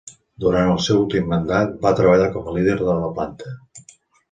Durant el seu últim mandat, va treballar com a líder de la planta.